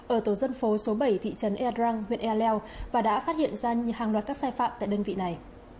ở tổ dân phố số bảy thị trấn ea đrang huyện ea leo và đã phát hiện ra hàng loạt các sai phạm tại đơn vị này